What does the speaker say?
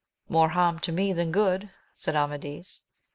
More harm to me than good, said Amadis.